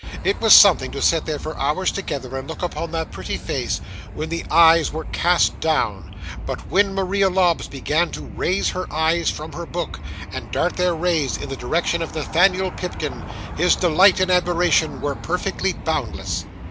It was something to sit there for hours together, and look upon that pretty face when the eyes were cast down; but when Maria Lobbs began to raise her eyes from her book, and dart their rays in the direction of Nathaniel Pipkin, his delight and admiration were perfectly boundless.